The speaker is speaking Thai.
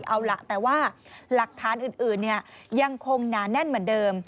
เอาล่ะแต่ว่าหลักฐานอื่นยังคงหนาแน่นเหมือนเดิม